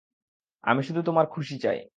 আমি শুধু তোমার খুশি চাই।